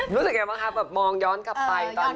รู้สึกยังไงบ้างคะแบบมองย้อนกลับไปตอนนี้